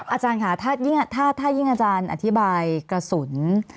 อาจารย์ค่ะถ้ายิ่งอาจารย์อธิบายกระสุน